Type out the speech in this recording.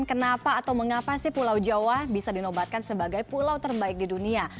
kenapa atau mengapa sih pulau jawa bisa dinobatkan sebagai pulau terbaik di dunia